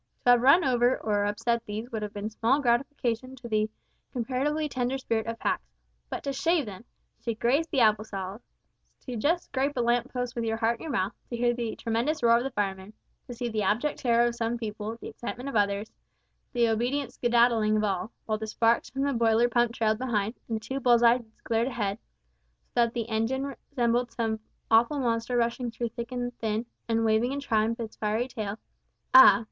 To have run over or upset these would have been small gratification to the comparatively tender spirit of Pax, but to shave them; to graze the apple stalls; to just scrape a lamp post with your heart in your mouth; to hear the tremendous roar of the firemen; to see the abject terror of some people, the excitement of others, the obedient "skedaddling" of all, while the sparks from the pump boiler trailed behind, and the two bull's eyes glared ahead, so that the engine resembled some awful monster rushing through thick and thin, and waving in triumph its fiery tail ah!